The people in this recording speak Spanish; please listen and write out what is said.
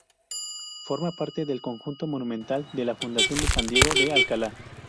Forma parte del conjunto monumental de la fundación de San Diego de Alcalá.